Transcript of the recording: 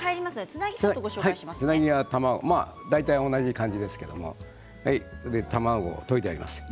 つなぎは大体同じ感じですけど卵を溶いてあります。